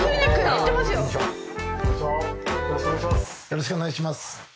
よろしくお願いします。